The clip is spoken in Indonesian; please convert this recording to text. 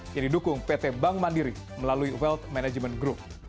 yang didukung pt bank mandiri melalui world management group